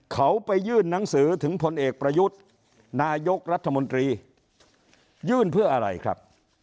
เขาไปยื่นหนังสือถึงพลเอกประยุทธ์นายกรัฐมนตรียื่นเพื่ออะไรครับ